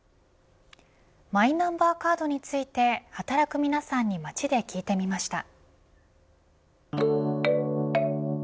マイナンバーカードについて働く皆さんに街で聞いてみました。